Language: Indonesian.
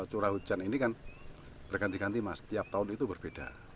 curah hujan ini kan berganti ganti mas tiap tahun itu berbeda